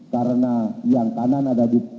karena yang kanan ada di